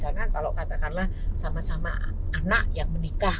karena kalau katakanlah sama sama anak yang menikah